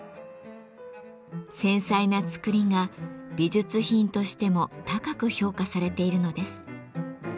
繊細なつくりが美術品としても高く評価されているのです。